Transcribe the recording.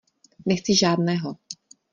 Nechci žádného!